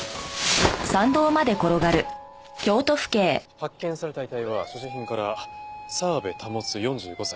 発見された遺体は所持品から澤部保４５歳。